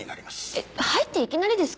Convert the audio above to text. えっ入っていきなりですか？